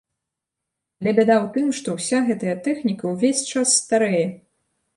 Але бяда ў тым, што ўся гэтая тэхніка ўвесь час старэе!